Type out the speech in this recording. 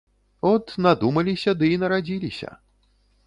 От надумаліся ды і нарадзіліся.